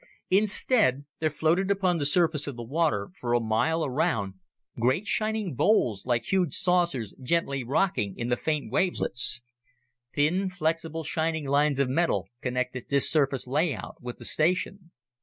Instead, there floated upon the surface of the water, for a mile around, great shining bowls, like huge saucers gently rocking in the faint wavelets. Thin, flexible, shining lines of metal connected this surface layout with the station.